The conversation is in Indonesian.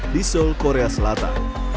di seoul korea selatan